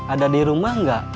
ada di rumah nggak